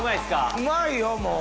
うまいよもう。